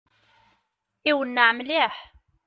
Iwenneɛ mliḥ!